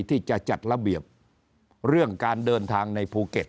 ที่จะจัดระเบียบเรื่องการเดินทางในภูเก็ต